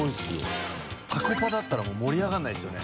タコパだったらもう盛り上がらないですよね。